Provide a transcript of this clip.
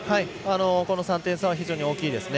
この３点差は非常に大きいですね。